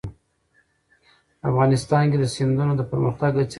افغانستان کې د سیندونه د پرمختګ هڅې روانې دي.